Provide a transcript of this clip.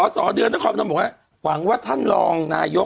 สนุกมากนะ